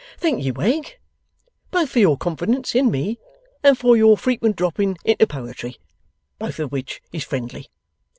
'Thank'ee, Wegg, both for your confidence in me and for your frequent dropping into poetry; both of which is friendly.